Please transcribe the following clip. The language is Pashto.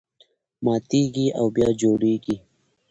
ماتېږي او بیا جوړېږي.